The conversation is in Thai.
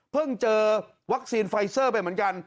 เจอวัคซีนไฟเซอร์ไปเหมือนกัน